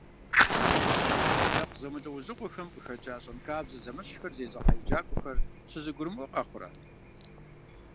Лъэпкъ зэмылӏэужьыгъуэхэм къыхэкӏа, щэнхабзэ зэмыщхьхэр зезыхьэ еджакӀуэхэр щызэгурымыӀуэ къэхъурэ?